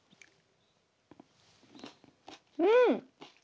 うん！